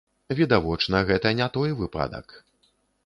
Відавочна, гэта не той выпадак.